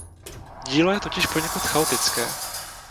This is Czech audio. Dílo je totiž poněkud chaotické.